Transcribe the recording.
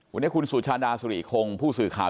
วันนี้คุณสุชาดาสุริคงผู้สื่อข่าว